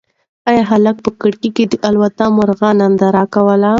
ایا هلک په کړکۍ کې د الوتی مرغۍ ننداره کوله؟